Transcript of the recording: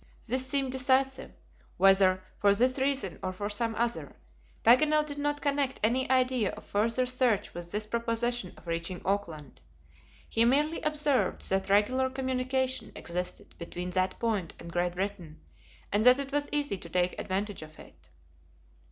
This seemed decisive. Whether, for this reason, or for some other, Paganel did not connect any idea of further search with this proposition of reaching Auckland. He merely observed that regular communication existed between that point and Great Britain, and that it was easy to take advantage of it.